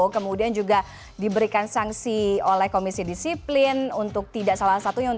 kemudian juga diberikan sanksi oleh komisi disiplin untuk tidak salah satunya